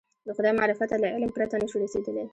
د خدای معرفت ته له علم پرته نه شو رسېدلی.